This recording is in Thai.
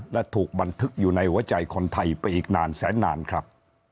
และถูกบันทึกอยู่ในหัวใจคนไทยไปอีกนานแสนนานครับ